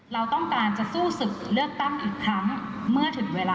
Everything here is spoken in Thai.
เราต้องการจะสู้ศึกเลือกตั้งอีกครั้งเมื่อถึงเวลา